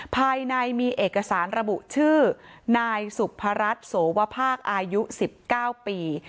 ภายในมีเอกสารระบุชื่อนายสุภรัชโสวภาคอายุ๑๙ปี